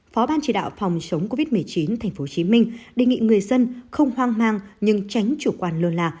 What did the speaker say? phó ban chỉ đạo phòng chống covid một mươi chín tp hcm đề nghị người dân không hoang mang nhưng tránh chủ quan lơ là